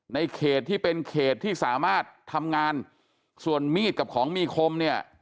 ในเขตที่เป็นเขตที่สามารถทำงานส่วนมีดกับของมีคมเนี่ย